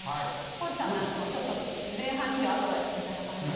皇治さんのやつもちょっと前半２行アドバイスみたいな感じで。